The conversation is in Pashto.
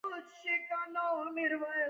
څو ځله داسې وشول چې په دوو تنو مو پلي وړي وو.